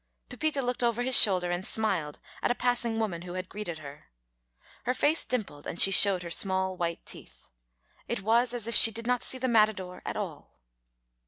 Pepita looked over his shoulder and smiled at a passing woman who had greeted her. Her face dimpled, and she showed her small white teeth. It was as if she did not see the matador at all.